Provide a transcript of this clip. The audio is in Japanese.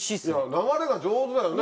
流れが上手だよね